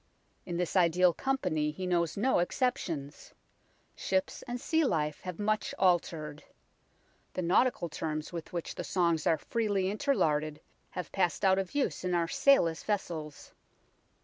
In this ideal company he knows no exceptions. Ships and sea life have much altered. The nautical terms with which the songs are freely interlarded have passed out of use in our sailless vessels.